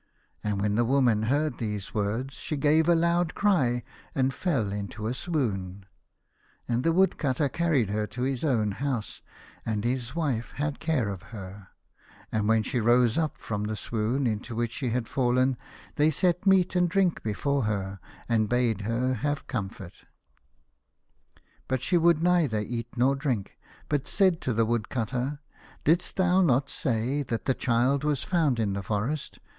And when the woman heard these words she gave a loud cry, and fell into a swoon. And the Woodcutter carried her to his own house, and his wife had care of her, and when she rose up from the swoon into which she had fallen, they set meat and drink before her, and bade her have comfort. 139 A House of Pomegranates. But she would neither eat nor drink, but said to the Woodcutter, " Didst thou not say that the child was found in the forest